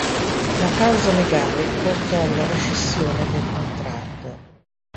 La causa legale portò alla rescissione del contratto.